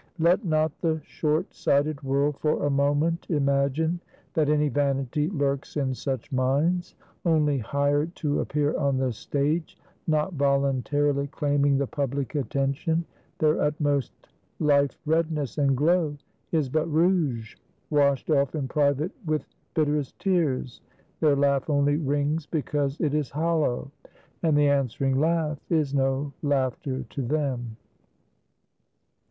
Let not the short sighted world for a moment imagine, that any vanity lurks in such minds; only hired to appear on the stage, not voluntarily claiming the public attention; their utmost life redness and glow is but rouge, washed off in private with bitterest tears; their laugh only rings because it is hollow; and the answering laugh is no laughter to them.